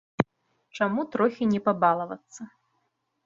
Чаму трохі не пабалавацца?